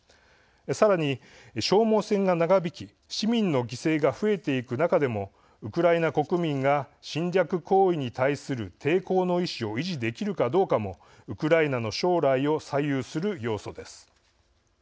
さらに、消耗戦が長引き市民の犠牲が増えていく中でもウクライナ国民が侵略行為に対する抵抗の意思を維持できるかどうかもウクライナの将来を左右する要素です。